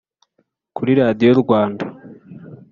kuri radiyo rwanda